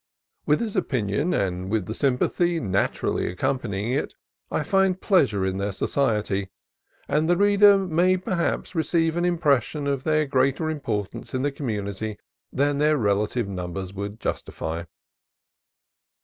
With this opinion, and with the sympathy naturally accom panying it, I find pleasure in their society; and the reader may perhaps receive an impression of their greater importance in the community than their relative numbers would justify.)